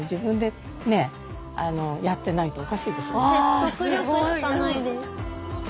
説得力しかないです。